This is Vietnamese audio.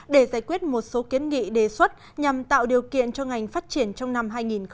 để giải quyết một số kiến nghị đề xuất nhằm tạo điều kiện cho ngành phát triển trong năm hai nghìn hai mươi